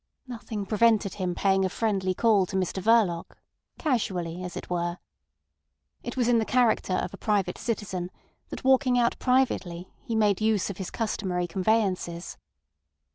Nothing prevented him paying a friendly call to Mr Verloc, casually as it were. It was in the character of a private citizen that walking out privately he made use of his customary conveyances.